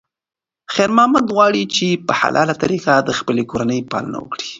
خیر محمد غواړي چې په حلاله طریقه د خپلې کورنۍ پالنه وکړي.